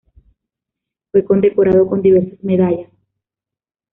Fue condecorado con diversas medallas.